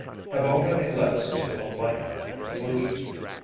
have already led us to a like conclusion.